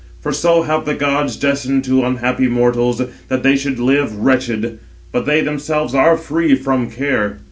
For so have the gods destined to unhappy mortals, that they should live wretched; but they themselves are free from care.